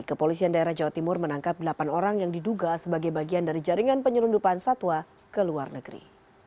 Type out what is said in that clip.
kepolisian daerah jawa timur menangkap delapan orang yang diduga sebagai bagian dari jaringan penyelundupan satwa ke luar negeri